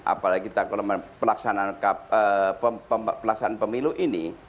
apalagi kita kelola pelaksanaan pemilu ini